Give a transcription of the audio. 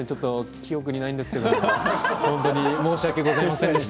記憶にないんですけれど本当に申し訳ございませんでした